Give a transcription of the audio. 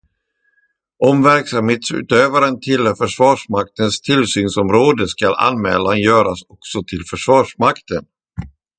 Om verksamhetsutövaren tillhör Försvarsmaktens tillsynsområde, ska anmälan göras också till Försvarsmakten.